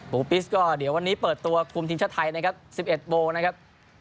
ปิสก็เดี๋ยววันนี้เปิดตัวคุมทีมชาติไทยนะครับ๑๑โมงนะครับ